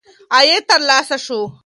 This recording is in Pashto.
عاید ترلاسه شو.